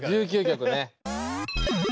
１９曲ね。